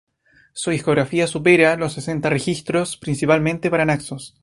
Su discografía supera los sesenta registros, principalmente para Naxos.